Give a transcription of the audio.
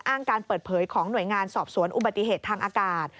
การเปิดเผยของหน่วยงานสอบสวนอุบัติเหตุทางอากาศ